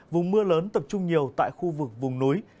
vùng mưa lớn tập trung nhiều tại khu vực vùng núi